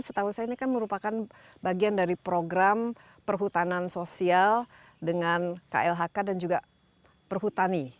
setahu saya ini kan merupakan bagian dari program perhutanan sosial dengan klhk dan juga perhutani